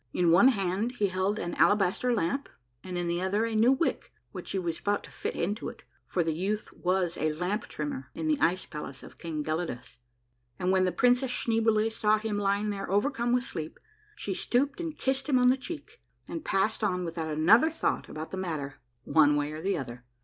In one hand he held an alabaster lamp, and in the other a new wick which he was about to fit into it, for the youth was a lamp trimmer in the ice palace of King Gelidus ; and when the Princess Schneeboule saw him lying there overcome with sleep, she stooped and kissed him on the cheek, and passed on without another thought about the matter, one way or the other.